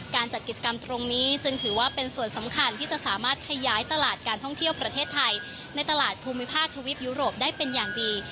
จัดกิจกรรมตรงนี้จึงถือว่าเป็นส่วนสำคัญที่จะสามารถขยายตลาดการท่องเที่ยวประเทศไทยในตลาดภูมิภาคทวีปยุโรปได้เป็นอย่างดี